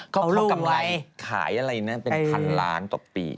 เขาลูกกำไรขายอะไรนะเป็นพันล้านต่อปี